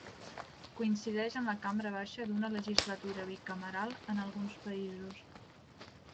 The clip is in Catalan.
Coincideix amb la cambra baixa d'una legislatura bicameral en alguns països.